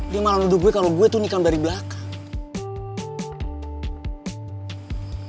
dia malah ngeduga gue kalo gue tuh nikam dari belakang